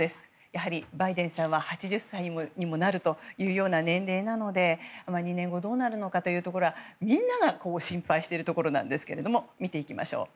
やはりバイデンさんは８０歳にもなるというような年齢なので２年後どうなるのかというところはみんなが心配しているところなんですが見ていきましょう。